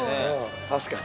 確かに。